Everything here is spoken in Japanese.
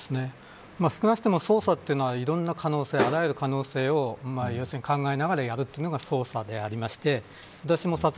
少なくとも捜査はいろんな可能性あらゆる可能性を考えながらやるというのが捜査でありまして